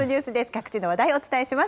各地の話題をお伝えします。